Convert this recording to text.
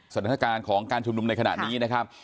สถานการณ์ของการชุมนุมในขณะนี้นะครับ